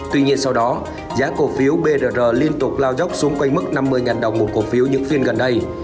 tuy nhiên sau đó giá cổ phiếu brr liên tục lao dốc xuống quanh mức năm mươi đồng một cổ phiếu những phiên gần đây